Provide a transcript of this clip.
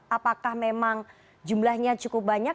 apakah memang jumlahnya cukup banyak